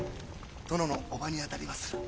殿の叔母にあたりまする。